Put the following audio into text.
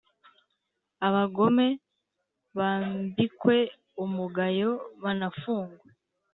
Abagome bambikwe umugayo banafungwe